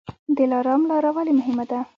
دلارام لاره ولې مهمه ده؟